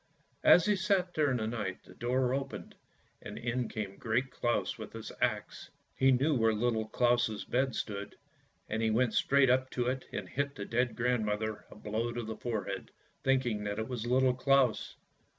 As he sat there in the night, the door opened, and in came Great Claus with his axe; he knew where Little Claus' bed stood, and he went straight up to it and hit the dead grand mother a blow on the forehead, thinking that it was Little Claus.